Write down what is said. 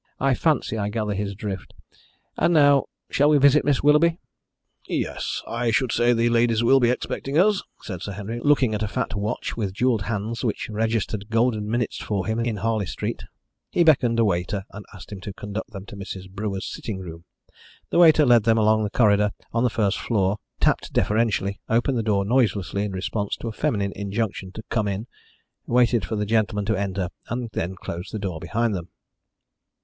I fancy I gather his drift. And now shall we visit Miss Willoughby?" "Yes, I should say the ladies will be expecting us," said Sir Henry, looking at a fat watch with jewelled hands which registered golden minutes for him in Harley Street. He beckoned a waiter, and asked him to conduct them to Mrs. Brewer's sitting room. The waiter led them along a corridor on the first floor, tapped deferentially, opened the door noiselessly in response to a feminine injunction to "come in," waited for the gentlemen to enter, and then closed the door behind them.